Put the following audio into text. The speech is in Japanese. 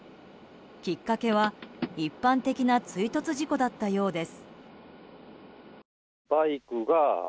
きっかけは、一般的な追突事故だったようです。